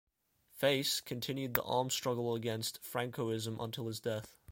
"Face" continued the armed struggle against Francoism until his death.